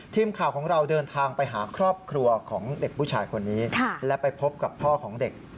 ทีมข่าวของเราเดินทางไปหาครอบครัวของเด็กผู้ชายคนนี้และไปพบกับพ่อของเด็ก